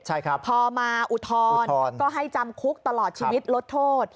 ใช่ครับพอมาอุทธรณ์ก็ให้จำคุกตลอดชีวิตลดโทษ